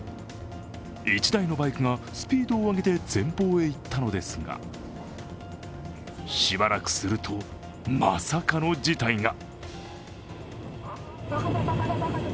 １台のバイクがスピードを上げて前方へ行ったのですがしばらくすると、まさかの事態が。